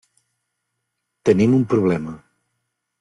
Tenim un problema.